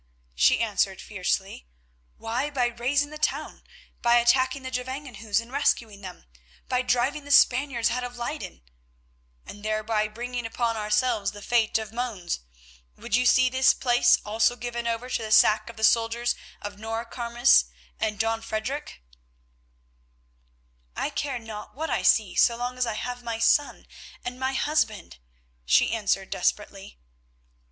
she answered fiercely. "Why, by raising the town; by attacking the Gevangenhuis and rescuing them, by driving the Spaniards out of Leyden——" "And thereby bringing upon ourselves the fate of Mons. Would you see this place also given over to sack by the soldiers of Noircarmes and Don Frederic?" "I care not what I see so long as I save my son and my husband," she answered desperately.